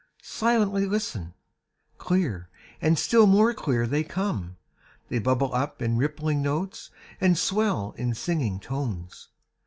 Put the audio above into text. Silently listen! Clear, and still more clear, they come. They bubble up in rippling notes, and swell in singing tones.